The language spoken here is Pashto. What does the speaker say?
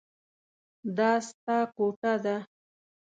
دا ستا کوټه ده.